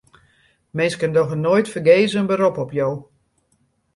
Minsken dogge noait fergees in berop op jo.